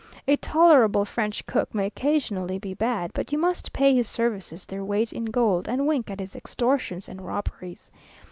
A tolerable French cook may occasionally be had, but you must pay his services their weight in gold, and wink at his extortions and robberies.